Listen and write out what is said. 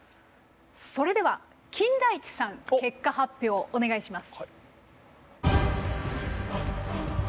それでは金田一さん結果発表お願いします。